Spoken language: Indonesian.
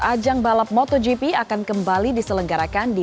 ajang balap motogp akan kembali diselenggarakan di